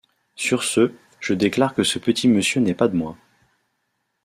Sur ce, je déclare que ce petit monsieur n’est pas de moi.